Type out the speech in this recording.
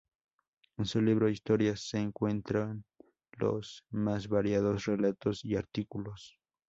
En su libro "Historias" se encuentran los más variados relatos y artículos.